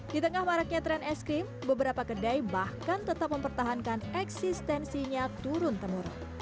di tengah maraknya tren es krim beberapa kedai bahkan tetap mempertahankan eksistensinya turun temurun